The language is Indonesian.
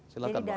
silahkan mbak lan